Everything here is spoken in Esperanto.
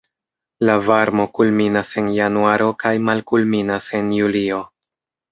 La varmo kulminas en januaro kaj malkulminas en julio.